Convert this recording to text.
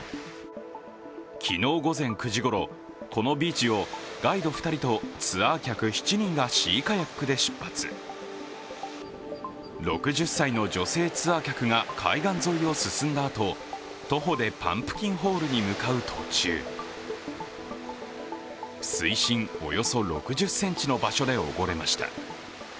昨日午前９時ごろ、このビーチをガイド２人とツアー客７人がシーカヤックで出発６０歳の女性ツアー客が海岸沿いを進んだあと徒歩でパンプキンホールに向かう途中、水深およそ６０ｃｍの場所で溺れました。